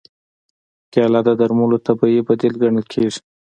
کېله د درملو طبیعي بدیل ګڼل کېږي.